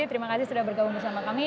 terima kasih sudah bergabung bersama kami